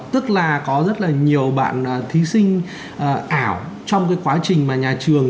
tức là có rất là nhiều bạn thí sinh ảo trong cái quá trình mà nhà trường